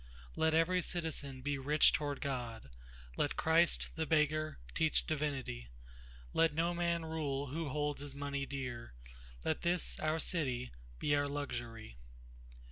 Let every citizen be rich toward God.Let Christ, the beggar, teach divinity—Let no man rule who holds his money dear. Let this, our city, be our luxury.